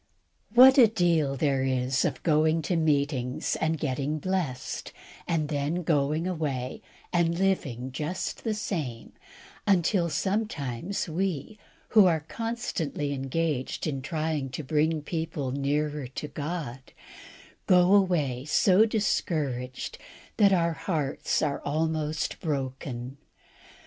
What a deal there is of going to meetings and getting blessed, and then going away and living just the same, until sometimes we, who are constantly engaged in trying to bring people nearer to God, go away so discouraged that our hearts are almost broken.